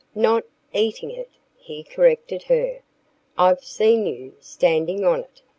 "Not eating it!" he corrected her. "I've seen you standing on it.